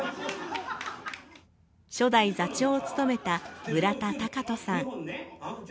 初代座長を務めた村田貴人さん。